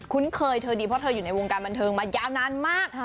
เคยเธอดีเพราะเธออยู่ในวงการบันเทิงมายาวนานมาก